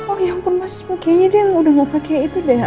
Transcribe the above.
oh ya ampun mas kayaknya dia udah gak pakai itu deh